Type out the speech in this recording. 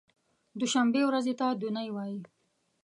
دوشنبې ورځې ته دو نۍ وایی